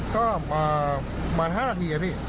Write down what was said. ก็มา๕นาทีครับพี่